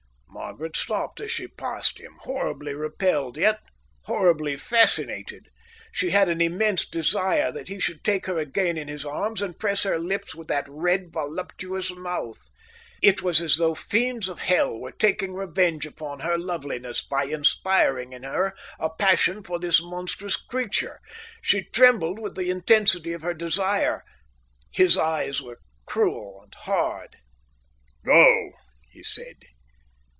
Margaret stopped as she passed him, horribly repelled yet horribly fascinated. She had an immense desire that he should take her again in his arms and press her lips with that red voluptuous mouth. It was as though fiends of hell were taking revenge upon her loveliness by inspiring in her a passion for this monstrous creature. She trembled with the intensity of her desire. His eyes were hard and cruel. "Go," he said.